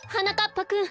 ぱくん